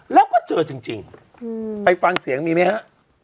แล้วก็เจอจริงจริงอืมไปฟังเสียงมีมั้ยฮะ